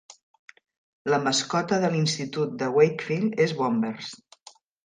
La mascota de l'Institut de Wakefield és Bombers.